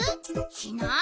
しない？